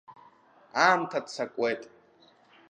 Аамҭа ццакуеит.